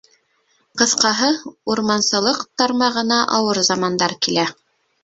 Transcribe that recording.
Ҡыҫҡаһы, урмансылыҡ тармағына ауыр замандар килә.